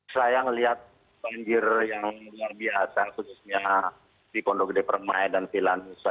saya melihat banjir yang luar biasa khususnya di kondok depremai dan vilandusa